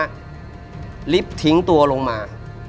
เนี่ยล๊ิฟท์ทิ้งตัวลงมา